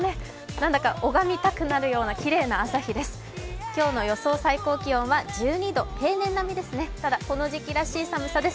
なんだか拝みたくなるようなきれいな天気です。